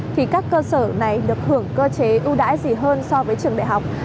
thì các cơ sở này được hưởng cơ chế ưu đãi gì hơn so với trường đại học